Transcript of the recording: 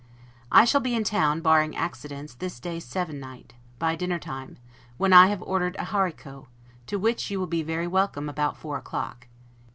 I shall be in town, barring accidents, this day sevennight, by dinnertime; when I have ordered a haricot, to which you will be very welcome, about four o'clock.